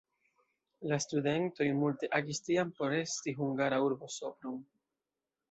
La studentoj multe agis tiam por resti hungara urbo Sopron.